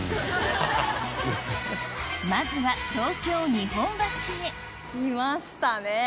まずは東京・日本橋へ来ましたね